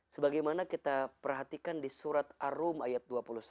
sebagaimana kita perhatikan di surat arum ayat dua puluh satu